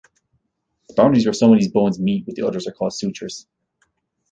The boundaries where some of these bones meet with the others are called sutures.